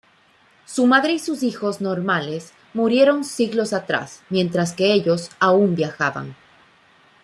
Su madre y sus hijos "normales" murieron siglos atrás, mientras que ellos aún viajaban.